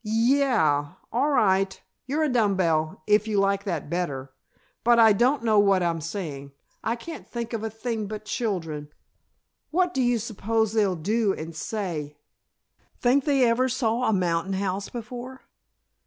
"Ye ah, all right, you're a dumb bell, if you like that better, but I don't know what I'm saying. I can't think of a thing but children. What do you suppose they'll do and say? Think they ever saw a mountain house before?"